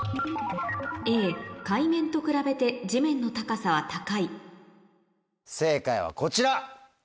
Ａ海面と比べて地面の高さは高い正解はこちら。